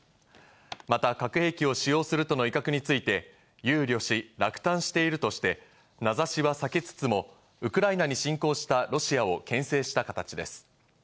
また、核兵器を使用するとの威嚇について憂慮し、落胆しているとして名指しは避けつつも、ウクライナに侵攻したロシアを牽制した形です。